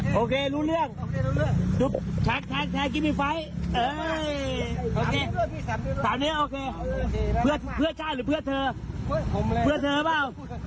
เพื่อนหลงรักหรือเพื่อนเธอเพื่อนเธอหรือเปล่า